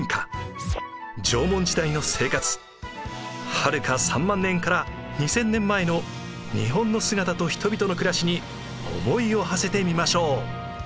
はるか３万年から２，０００年前の日本の姿と人々の暮らしに思いをはせてみましょう。